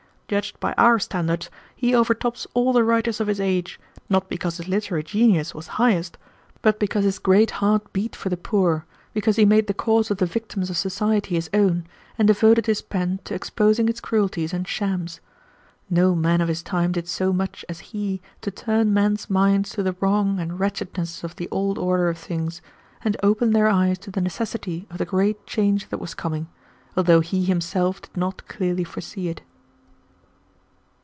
Judged by our standards, he overtops all the writers of his age, not because his literary genius was highest, but because his great heart beat for the poor, because he made the cause of the victims of society his own, and devoted his pen to exposing its cruelties and shams. No man of his time did so much as he to turn men's minds to the wrong and wretchedness of the old order of things, and open their eyes to the necessity of the great change that was coming, although he himself did not clearly foresee it."